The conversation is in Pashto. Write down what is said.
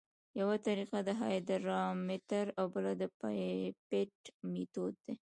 یوه طریقه د هایدرامتر او بله د پیپیټ میتود دی